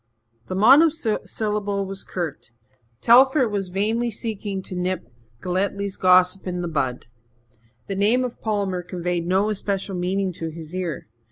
The monosyllable was curt. Telford was vainly seeking to nip Galletly's gossip in the bud. The name of Palmer conveyed no especial meaning to his ear.